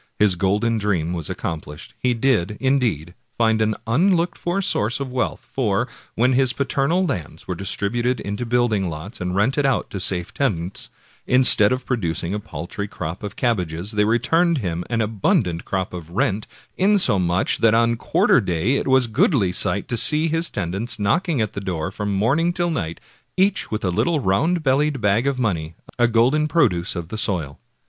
His golden dream was accomplished; he did, indeed, find an unlooked for source of wealth, for, when his paternal lands 220 Washington Irving were distributed into building lots and rented out to safe tenants, instead of producing a paltry crop of cabbages they returned him an abundant crop of rent, insomuch that on quarter day it was a goodly sight to see his tenants knock ing at the door from morning till night, each with a little round bellied bag of money, a golden produce of the soil.